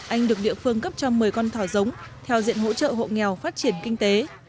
anh được địa phương cấp cho một mươi con thỏ giống theo diện hỗ trợ hộ nghèo phát triển kinh tế